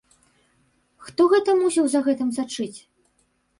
Хто гэта мусіў за гэтым сачыць?